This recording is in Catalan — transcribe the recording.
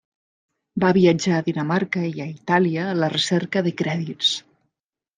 Va viatjar a Dinamarca i a Itàlia a la recerca de crèdits.